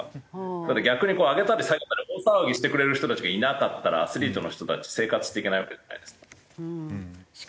だって逆に上げたり下げたり大騒ぎしてくれる人たちがいなかったらアスリートの人たち生活していけないわけじゃないですか。